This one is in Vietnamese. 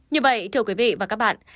như vậy thưa quý vị và các bạn